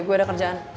gue ada kerjaan